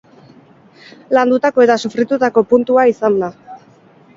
Landutako eta sufritutako puntua izan da.